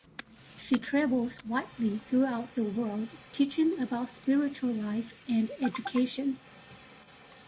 She travels widely throughout the world teaching about spiritual life and education.